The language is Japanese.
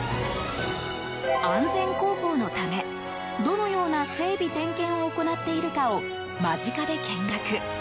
安全航行のためどのような整備点検を行っているかを、間近で見学。